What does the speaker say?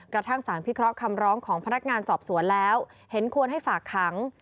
กระทั่งสารพิเคราะห์คำร้องของพนักงานสอบสวนแล้วเห็นควรให้ฝากขัง